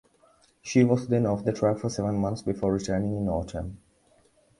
She was then off the track for seven months before returning in autumn.